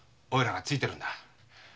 おいらがついてるんだ。